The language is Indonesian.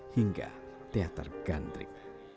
hingga teater gandrik